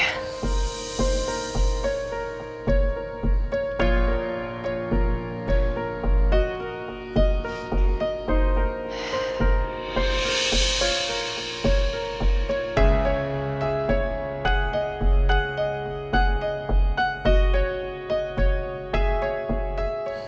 lain lagi ya